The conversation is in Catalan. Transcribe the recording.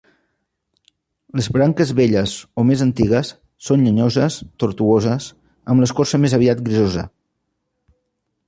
Les branques velles o més antigues són llenyoses, tortuoses, amb l'escorça més aviat grisosa.